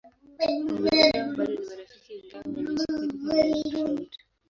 Wawili hao bado ni marafiki ingawa wanaishi katika maeneo tofauti.